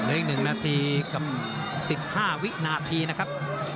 อีกหนึ่งแมวที๑๕วินาทีนะครับ